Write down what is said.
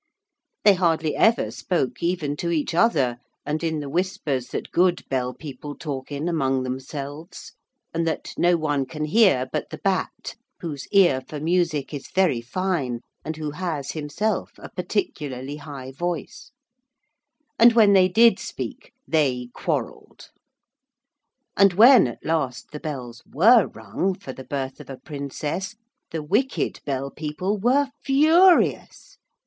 They hardly ever spoke even to each other, and in the whispers that good Bell people talk in among themselves, and that no one can hear but the bat whose ear for music is very fine and who has himself a particularly high voice, and when they did speak they quarrelled. And when at last the bells were rung for the birth of a Princess the wicked Bell people were furious.